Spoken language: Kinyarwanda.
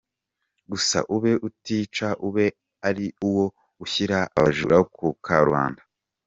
gusa, ube Utica! ube ari uwo gushyira abajura ku karubanda.